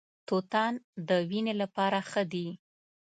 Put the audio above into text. توتان د وینې لپاره ښه دي.